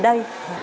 để chăm sóc con